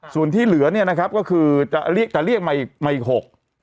ส่วนที่เหลือเนี่ยนะครับก็คือจะเรียกมาอีก๖